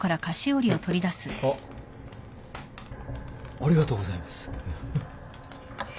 ありがとうございます。